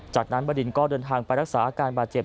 จากนั้นบดินก็เดินทางไปรักษาอาการบาดเจ็บ